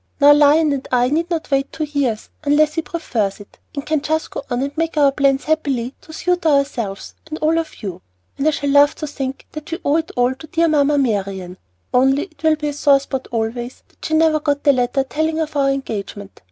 Now Lion and I need not wait two years, unless he prefers it, and can just go on and make our plans happily to suit ourselves and all of you, and I shall love to think that we owe it all to dear Mamma Marian; only it will be a sore spot always that she never got the letter telling of our engagement.